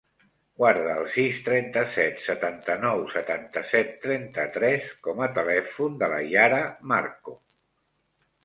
Guarda el sis, trenta-set, setanta-nou, setanta-set, trenta-tres com a telèfon de la Yara Marco.